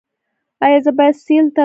ایا زه باید سیل ته لاړ شم؟